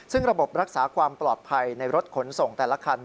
ซึ่งระบบรักษาความปลอดภัยในรถขนส่งแต่ละคัน